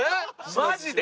マジで！？